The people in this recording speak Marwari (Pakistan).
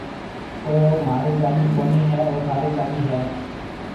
او مهاري چاٻِي ڪونَي هيَ، او ٿارِي چاٻِي هيَ۔